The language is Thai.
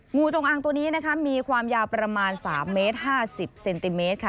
งูจงอางตัวนี้นะคะมีความยาวประมาณ๓เมตร๕๐เซนติเมตรค่ะ